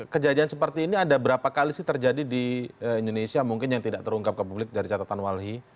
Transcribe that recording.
kejadian seperti ini ada berapa kali sih terjadi di indonesia mungkin yang tidak terungkap ke publik dari catatan walhi